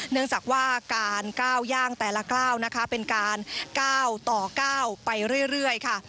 เนื่องจากว่าการก้าวย่างแต่ละก้าวนะคะเป็นการก้าวต่อก้าวไปเรื่อยค่ะ